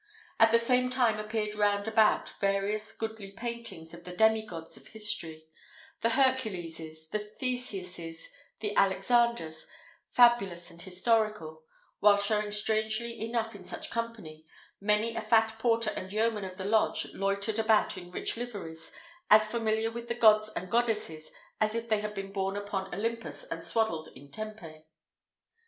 At the same time appeared round about various goodly paintings of the demigods of story: the Herculeses, the Theseuses, the Alexanders, fabulous and historical; while, showing strangely enough in such company, many a fat porter and yeoman of the lodge loitered about in rich liveries, as familiar with the gods and goddesses as if they had been born upon Olympus and swaddled in Tempé.